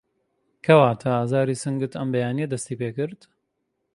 کەواته ئازاری سنگت ئەم بەیانیه دستی پێکرد